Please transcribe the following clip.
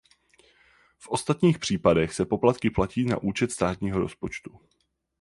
V ostatních případech se poplatky platí na účet státního rozpočtu.